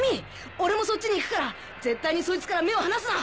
俺もそっちに行くから絶対にそいつから目を離すな！